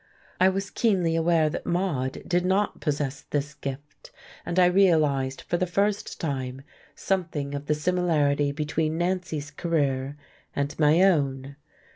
I was keenly aware that Maude did not possess this gift, and I realized for the first time something of the similarity between Nancy's career and my own.